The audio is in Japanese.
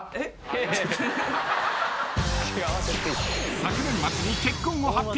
［昨年末に結婚を発表。